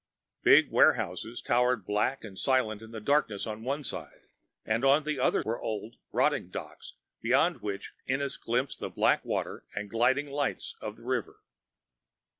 Big warehouses towered black and silent in the darkness on one side, and on the other were old, rotting docks beyond which Ennis glimpsed the black water and gliding lights of the river.